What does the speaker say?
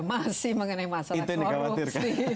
masih mengenai masalah korupsi